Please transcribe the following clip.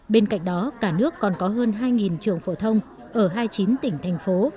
bên cạnh đó cả nước còn có hơn hai trường phổ thông ở hai mươi chín tỉnh thành phố